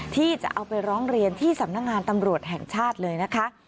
ที่จะเอาไปร้องเรียนที่สำนักงานตำรวจแห่งชาติเลยนะคะ